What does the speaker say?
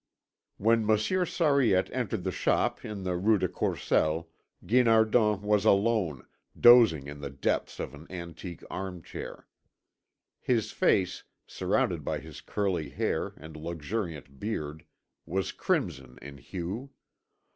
When Monsieur Sariette entered the shop in the Rue de Courcelles, Guinardon was alone, dozing in the depths of an antique arm chair. His face, surrounded by his curly hair and luxuriant beard, was crimson in hue.